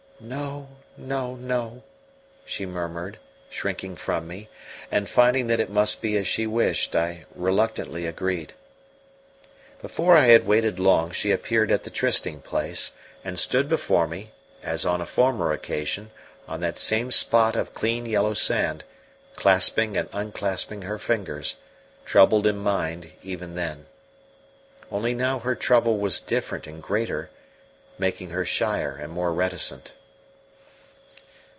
"No, no, no," she murmured, shrinking from me; and finding that it must be as she wished, I reluctantly agreed. Before I had waited long, she appeared at the trysting place, and stood before me, as on a former occasion, on that same spot of clean yellow sand, clasping and unclasping her fingers, troubled in mind even then. Only now her trouble was different and greater, making her shyer and more reticent.